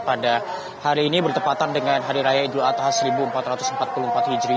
pada hari ini bertepatan dengan hari raya idul adha seribu empat ratus empat puluh empat hijri